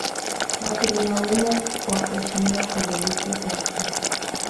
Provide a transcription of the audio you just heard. wakimlaumu kwa kushindwa kudhibiti ghasia